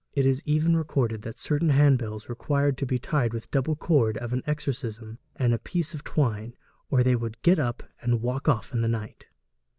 It is even recorded that certain handbells required to be tied with the double cord of an exorcism and a piece of twine, or they would get up and walk off in the night.